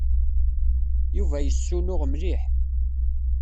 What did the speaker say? Yuba yessunuɣ mliḥ.